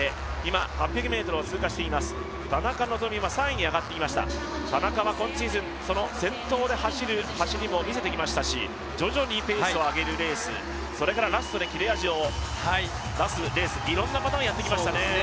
田中希実は３位に上がってきました、田中は今シーズン、先頭で走る走りも見せてきましたし徐々にペースを上げるレース、それからラストで切れ味を出すレースいろんなパターンをやってきました。